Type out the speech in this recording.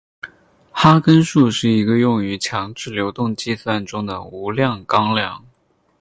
哈根数是一个用于强制流动计算中的无量纲量。